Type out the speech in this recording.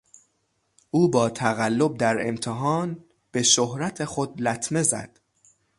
او با تقلب در امتحان به شهرت خود لطمه زد.